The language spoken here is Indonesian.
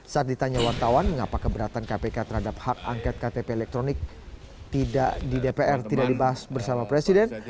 saat ditanya wartawan mengapa keberatan kpk terhadap hak angket ktp elektronik tidak di dpr tidak dibahas bersama presiden